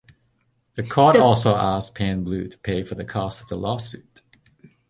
The Court also asked Pan-Blue to pay for the cost of the lawsuit.